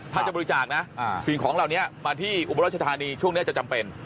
ถ้าจะบริจาคนะสิ่งของเหล่านี้มาที่อุบรัชธานีช่วงนี้จะจำเป็น